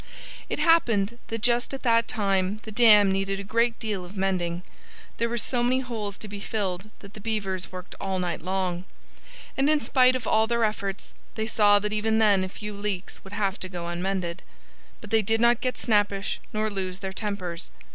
It happened that just at that time the dam needed a great deal of mending. There were so many holes to be filled that the Beavers worked all night long. And in spite of all their efforts they saw that even then a few leaks would have to go unmended. But they did not get snappish nor lose their tempers.